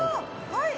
はい。